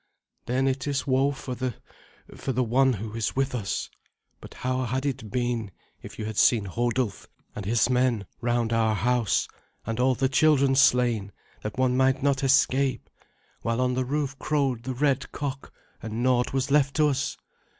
"Then it is woe for the for the one who is with us. But how had it been if you had seen Hodulf and his men round our house, and all the children slain that one might not escape, while on the roof crowed the red cock, and naught was left to us?